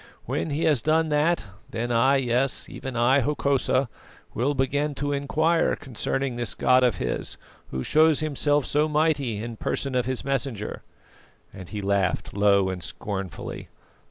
When he has done that, then I, yes, even I, Hokosa, will begin to inquire concerning this God of his, who shows Himself so mighty in person of His messenger." And he laughed low and scornfully.